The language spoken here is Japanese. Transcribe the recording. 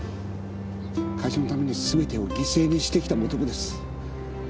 会社のためにすべてを犠牲にしてきた男です。